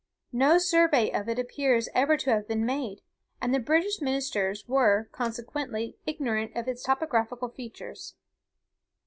No survey of it appears ever to have been made, and the British ministers were, consequently, ignorant of its topographical features.